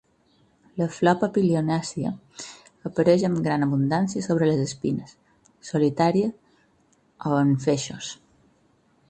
La flor papilionàcia apareix amb gran abundància sobre les espines, solitària o en feixos.